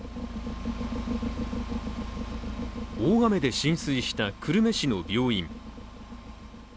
大雨で浸水した久留米市の病院。